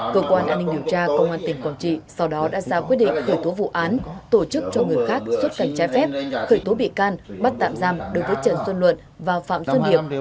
cơ quan an ninh điều tra công an tỉnh quảng trị sau đó đã ra quyết định khởi tố vụ án tổ chức cho người khác xuất cảnh trái phép khởi tố bị can bắt tạm giam đối với trần xuân luận và phạm xuân điệp